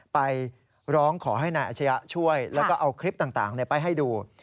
ไปร้องขอให้นายอาชญะช่วยแล้วก็เอาคลิปต่างไปให้ดู